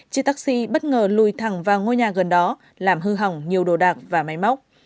chiếc taxi bất ngờ lùi thẳng vào ngôi nhà gần đó làm hư hỏng nhiều đồ đạc và máy móc